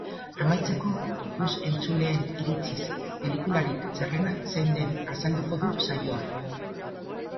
Amaitzeko, ikus-entzuleen iritziz pelikularik txarrena zein den azalduko du saioak.